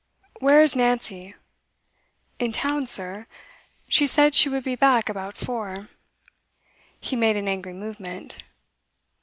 'Where is Nancy?' 'In town, sir. She said she would be back about four.' He made an angry movement.